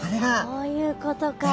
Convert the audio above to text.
そういうことか。